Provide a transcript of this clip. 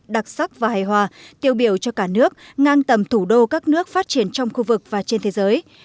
đặc sắc và hài hòa tiêu biểu cho cả nước ngang tầm thủ đô các nước phát triển trong khu vực và trên thế giới